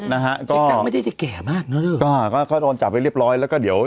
นะฮะก็เจ๊กล้างไม่ได้เจ็ดแก่มากน่ะหรือก็เขาต้องจับไว้เรียบร้อยแล้วก็เดี๋ยว